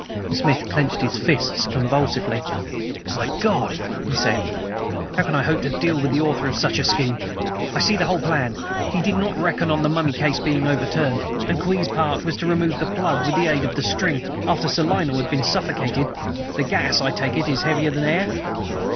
Smith clenched his fists convulsively. "My God!" he said, "how can I hope to deal with the author of such a scheme? I see the whole plan. He did not reckon on the mummy case being overturned, and Kwee's part was to remove the plug with the aid of the string after Sir Lionel had been suffocated. The gas, I take it, is heavier than air."